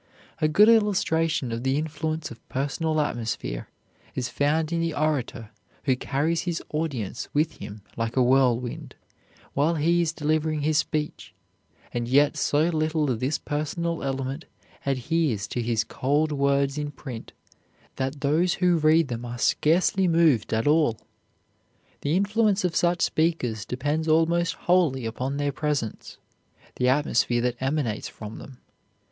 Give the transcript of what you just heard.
A good illustration of the influence of personal atmosphere is found in the orator who carries his audience with him like a whirlwind, while he is delivering his speech, and yet so little of this personal element adheres to his cold words in print that those who read them are scarcely moved at all. The influence of such speakers depends almost wholly upon their presence, the atmosphere that emanates from them.